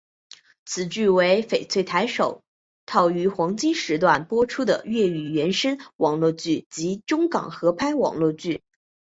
此剧为翡翠台首套于黄金时段播出的粤语原声网络剧及中港合拍网络剧。